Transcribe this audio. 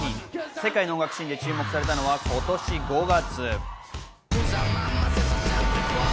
世界の音楽シーンで注目されたのは今年５月。